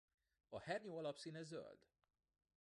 A hernyó alapszíne zöld.